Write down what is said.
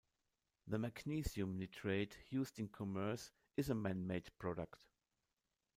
The magnesium nitrate used in commerce is a man-made product.